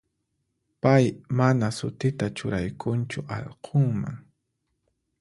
Pay mana sutita churaykunchu allqunman.